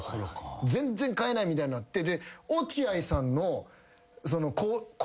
全然買えないみたいになって。